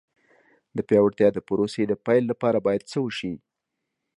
د پیاوړتیا د پروسې د پیل لپاره باید څه وشي.